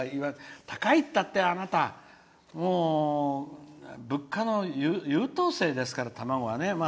高いったって、あなた物価の優等生ですから卵は。